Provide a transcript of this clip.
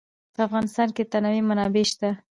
په افغانستان کې د تنوع منابع شته.